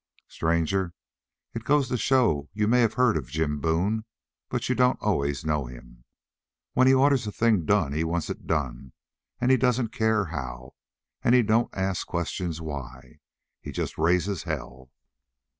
"Stranger, it goes to show you may have heard of Jim Boone, but you don't anyways know him. When he orders a thing done he wants it done, and he don't care how, and he don't ask questions why. He just raises hell."